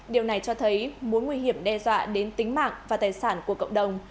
điều này cho thấy mối nguy hiểm đe dọa đến tính mạng và tài sản của cộng đồng